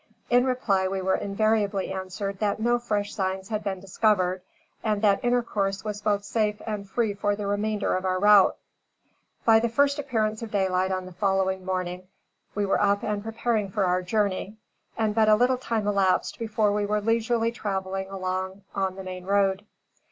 In reply we were invariably answered that no fresh signs had been discovered and that intercourse was both safe and free for the remainder of our route. By the first appearance of daylight on the following morning we were up and preparing for our journey, and but a little time elapsed before we were leisurely traveling along on the main road.